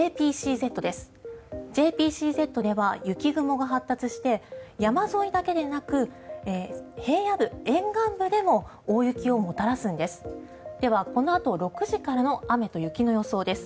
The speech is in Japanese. ＪＰＣＺでは雪雲が発達して山沿いだけでなく平野部、沿岸部でも大雪をもたらすんです。